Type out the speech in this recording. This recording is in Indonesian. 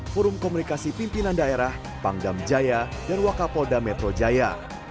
forum komunikasi pimpinan daerah pangdam jaya dan wakapolda metro jaya